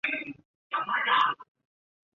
四须鲃粘体虫为粘体科粘体虫属的动物。